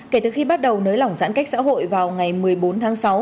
kể từ khi bắt đầu nới lỏng giãn cách xã hội vào ngày một mươi bốn tháng sáu